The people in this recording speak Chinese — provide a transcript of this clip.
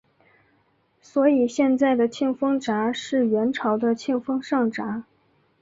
所以现在的庆丰闸是元朝的庆丰上闸。